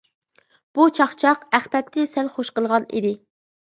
بۇ چاقچاق ئەخمەتنى سەل خوش قىلغان ئىدى.